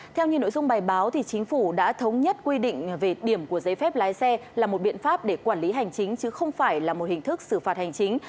theo như nội dung bài báo chính phủ đã thống nhất quy định về điểm của giấy phép lái xe là một biện pháp để quản lý hành chính chứ không phải là một hình thức xử phạt hành chính